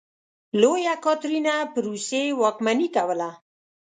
لویه کاترینه په روسیې واکمني کوله.